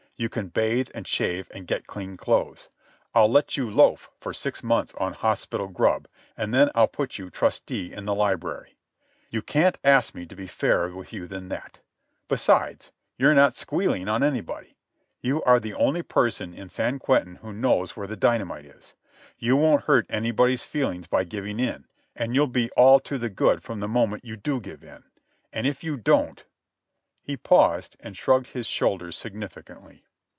You can bathe and shave and get clean clothes. I'll let you loaf for six months on hospital grub, and then I'll put you trusty in the library. You can't ask me to be fairer with you than that. Besides, you're not squealing on anybody. You are the only person in San Quentin who knows where the dynamite is. You won't hurt anybody's feelings by giving in, and you'll be all to the good from the moment you do give in. And if you don't—" He paused and shrugged his shoulders significantly.